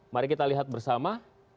mari kita lihat bersama